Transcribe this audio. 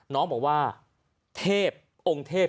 น้องบอกว่าเทพองค์เทพ